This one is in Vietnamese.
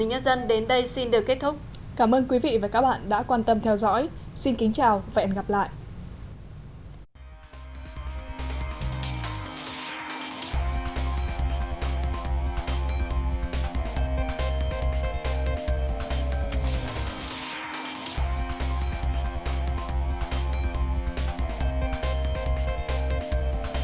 hãy đăng ký kênh để ủng hộ kênh mình nhé